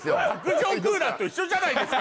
卓上クーラーと一緒じゃないですか